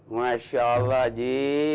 masya allah ji